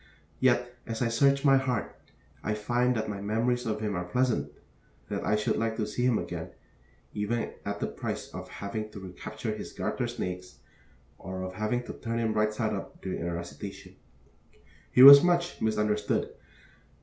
Yet, as I search my heart, I find that my memories of him are pleasant; that I should like to see him again, even at the price of having to recapture his garter snakes, or of having to turn him right side up during a recitation. He was much misunderstood.